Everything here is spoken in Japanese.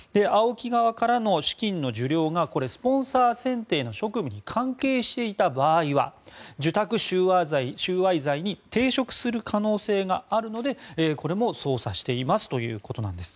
ＡＯＫＩ側からの資金の受領がスポンサー選定の職務に関係していた場合は受託収賄罪に抵触する可能性があるのでこれも捜査していますということなんです。